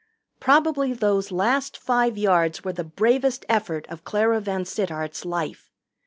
Probably those last five yards were the bravest effort of Clara VanSittart's life.